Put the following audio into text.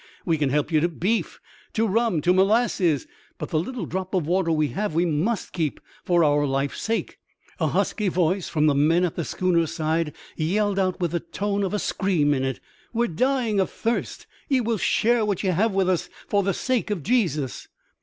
We can help ye to beef, to rum, to molasses — but the little drop of water we have we must keep for our life's sake." A husky voice from the men at the schooner's side yelled out with the tone of a scream in it, *' We're dying of thirst. Ye will share what ye have with us for the sake of Jesus